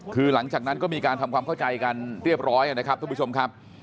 คือหลังจากนั้นก็มีการทำความเข้าใจกันเรียบร้อยนะครับทุกผู้ชมครับ